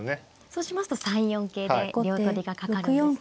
そうしますと３四桂で両取りがかかるんですね。